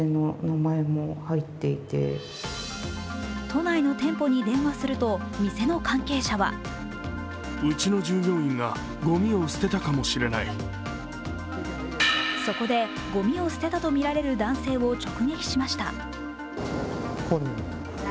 都内の店舗に電話すると、店の関係者はそこでごみを捨てたとみられる男性を直撃しました。